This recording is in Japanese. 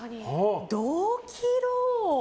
どう切ろう。